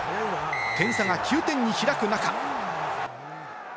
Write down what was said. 点差が９点に開く中。